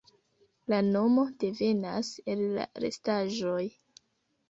La nomo devenas el la restaĵoj.